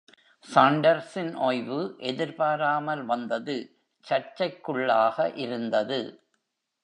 சாண்டர்ஸின் ஓய்வு எதிர்பாராமல் வந்தது சர்ச்சைக்குள்ளாக இருந்தது.